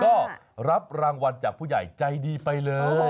ก็รับรางวัลจากผู้ใหญ่ใจดีไปเลย